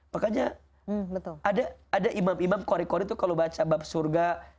makanya ada imam imam kori kori tuh kalau baca bab surga